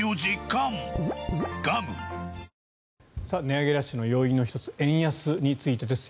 値上げラッシュの要因の１つ円安についてです。